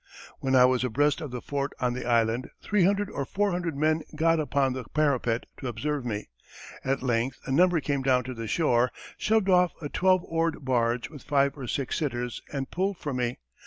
When I was abreast of the Fort on the Island three hundred or four hundred men got upon the parapet to observe me; at length a number came down to the shore, shoved off a twelve oar'd barge with five or six sitters and pulled for me.